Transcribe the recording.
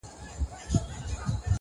• هغه بل د پیر په نوم وهي جېبونه -